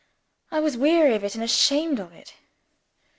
I was weary of it and ashamed of it.